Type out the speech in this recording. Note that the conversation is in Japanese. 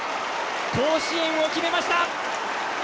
甲子園を決めました！